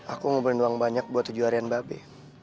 aku mau berduang banyak buat tujuh harian babi